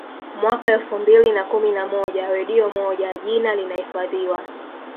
Mwaka elfu mbili na kumi na moja redio moja jina linahifadhiwa